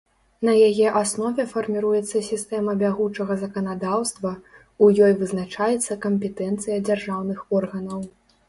На яе аснове фарміруецца сістэма бягучага заканадаўства, у ёй вызначаецца кампетэнцыя дзяржаўных органаў.